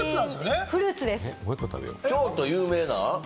京都、有名なん？